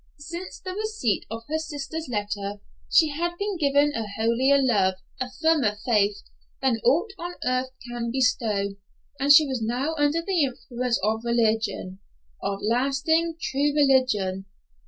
Since the receipt of her sister's letter she had been given a holier love, a firmer faith, than aught on earth can bestow, and she was now under the influence of religion; of lasting, true religion.